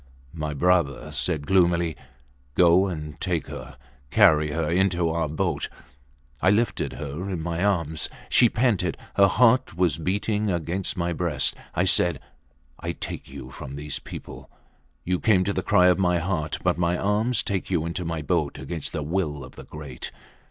My brother said gloomily, Go and take her; carry her into our boat. I lifted her in my arms. She panted. Her heart was beating against my breast. I said, I take you from those people. You came to the cry of my heart, but my arms take you into my boat against the will of the great!